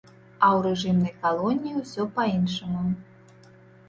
А ў рэжымнай калоніі усё па-іншаму.